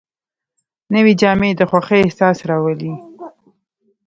نوې جامې د خوښۍ احساس راولي